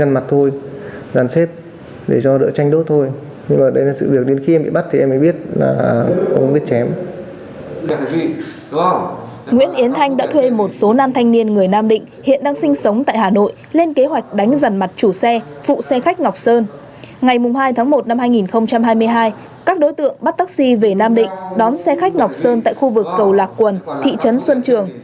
ngày hai tháng một năm hai nghìn hai mươi hai các đối tượng bắt taxi về nam định đón xe khách ngọc sơn tại khu vực cầu lạc quần thị trấn xuân trường